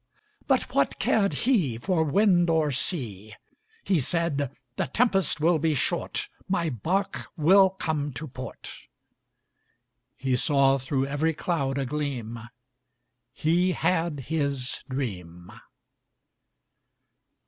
But what cared he For wind or sea! He said, "The tempest will be short, My bark will come to port." He saw through every cloud a gleam He had his dream.